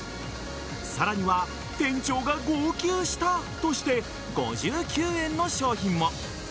さらには店長が号泣したとして５９円の商品も。